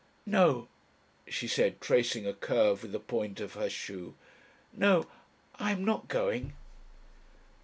"No," she said, tracing a curve with the point of her shoe. "No. I am not going."